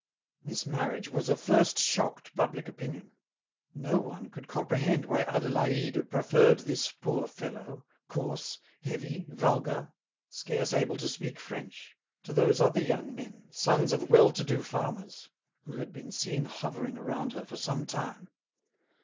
This marriage was a first shock to public opinion. No one could comprehend why Adélaïde preferred this poor fellow, coarse, heavy, vulgar, scarce able to speak French, to those other young men, sons of well to do farmers, who had been seen hovering round her for some time.